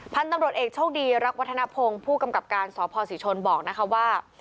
พันธุ์ตำรวจเอกโชคดีรักวัฒนภงผู้กำกับการสพศรีชนบอกนะคะว่า